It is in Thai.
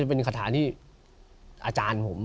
เป็นคาถาที่อาจารย์ผม